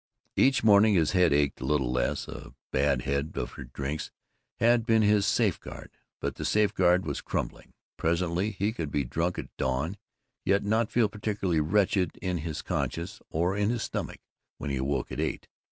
Each morning his head ached a little less. A bad head for drinks had been his safeguard, but the safeguard was crumbling. Presently he could be drunk at dawn, yet not feel particularly wretched in his conscience or in his stomach when he awoke at eight.